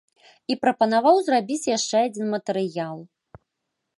І прапанаваў зрабіць яшчэ адзін матэрыял.